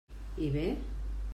I bé?